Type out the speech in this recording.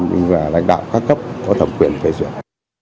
và lãnh đạo các cấp có thẩm quyền phê duyệt